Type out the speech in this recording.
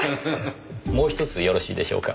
もう１つよろしいでしょうか？